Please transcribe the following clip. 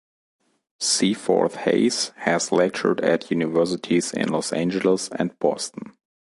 Seaforth Hayes has lectured at universities in Los Angeles and Boston.